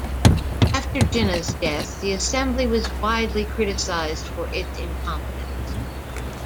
After Jinnah's death, the assembly was widely criticized for its incompetence.